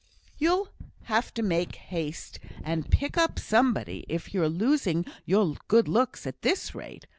"You'll have to make haste and pick up somebody, if you're losing your good looks at this rate.